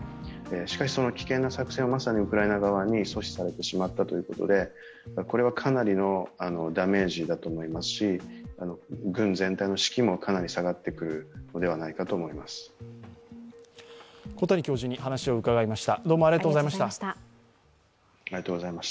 しかし、その危険な作戦をまさにウクライナ側に阻止されてしまったということでこれはかなりのダメージだと思いますし軍全体の士気もかなり下がってくるのではないかと思います。